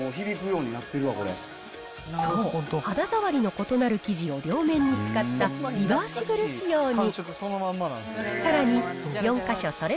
そう肌触りの異なる生地を両面に使ったリバーシブル仕様に。